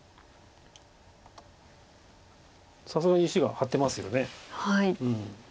さすがに石が張ってますよね。